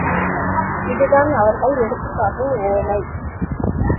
இதுதான் அவர்கள் எடுத்துக்காட்டும் உவமை.